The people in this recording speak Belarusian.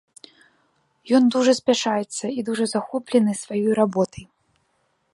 Ён дужа спяшаецца і дужа захоплены сваёй работай.